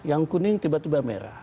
yang kuning tiba tiba merah